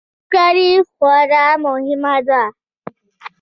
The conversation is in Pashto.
دا همکاري خورا مهمه وه.